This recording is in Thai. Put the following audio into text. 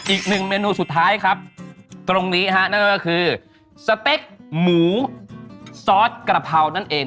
อีกหนึ่งเมนูสุดท้ายครับตรงนี้ฮะนั่นก็คือสเต็กหมูซอสกระเพรานั่นเอง